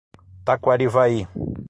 Taquarivaí